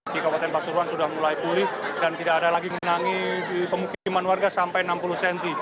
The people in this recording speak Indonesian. di kabupaten pasuruan sudah mulai pulih dan tidak ada lagi menangi di pemukiman warga sampai enam puluh cm